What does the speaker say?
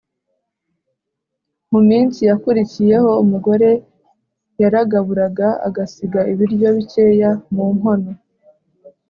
Mu minsi yakurikiyeho, umugore yaragaburaga agasiga ibiryo bikeya mu nkono